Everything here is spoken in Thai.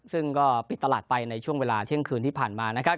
ซึ่งก็ปิดตลาดไปในช่วงเวลาเที่ยงคืนที่ผ่านมานะครับ